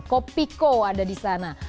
kopiko ada di sana